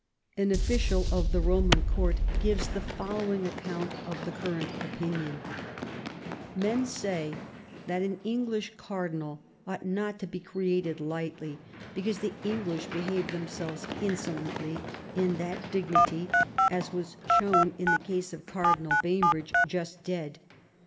An official of the Eoman Court gives the following account of the current opinion :—" Men say that an English Cardinal ought not to be created lightly, because the English behave themselves insolently in that dignity, as was shown in the case of Cardinal Bainbridge just dead.